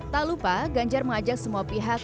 tak lupa ganjar mengajak semua pihak